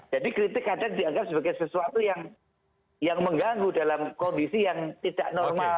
jadi terkadang dianggap sebagai sesuatu yang mengganggu dalam kondisi yang tidak normal